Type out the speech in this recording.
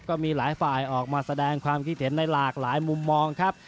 ก็มีหลายฝ่ายออกมาแสดงความคิดเห็นในหลากหลายมุมมองครับ